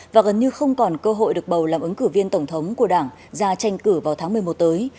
và gần như không còn cơ hội được bầu làm ứng cử viên tổng thống của đảng ra tranh cử vào tháng một mươi một tới